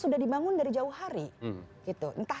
sudah dibangun dari jauh hari gitu entah